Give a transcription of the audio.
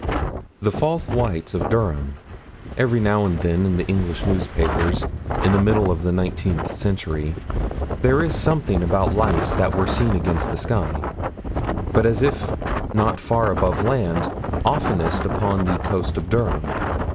"The False Lights of Durham." Every now and then in the English newspapers, in the middle of the nineteenth century, there is something about lights that were seen against the sky, but as if not far above land, oftenest upon the coast of Durham.